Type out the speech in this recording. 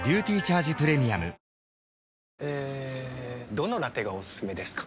どのラテがおすすめですか？